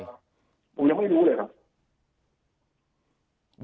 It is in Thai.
ผมยังไม่รู้เลยครับ